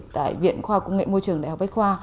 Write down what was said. tại viện khoa cung nghệ môi trường đại học bách khoa